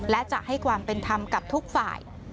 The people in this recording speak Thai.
และจะให้ความเป็นธรรมกับทุกฝ่าย